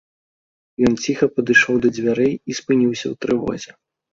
Ён ціха падышоў да дзвярэй і спыніўся ў трывозе.